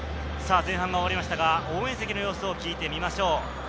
前半が終わりましたが、応援席の様子を聞いてみましょう。